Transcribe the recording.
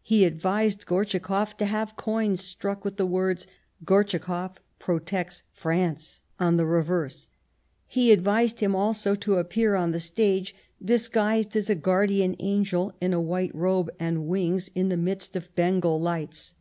He advised Gortschakoff to have coins struck with the words, " Gortschakoff protects France," on the reverse ; he advised him also to appear on the stage disguised as a guardian angel in a white robe and wings in the midst of Bengal lights.